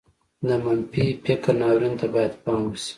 د منفي فکر ناورين ته بايد پام وشي.